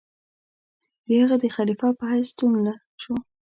د هغه د خلیفه په حیث ستون شو.